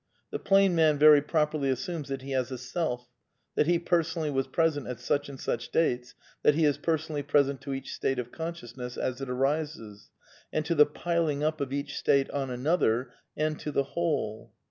The plain man very properly assumes that he has a self, that he personally was present at such and such dates, that he is personally present to each state of consciousness as it arises, and to the piling up of each state on another, and to the whole.